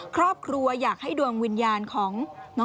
ครอบครัวอยากให้ดวงวิญญาณของน้อง